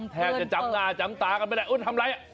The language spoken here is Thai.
แทบจะจำหน้าจำตากันไปทำอะไร